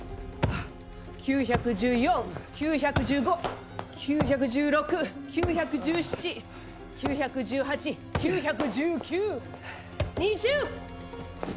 ９１４、９１５９１６、９１７９１８、９１９、２０！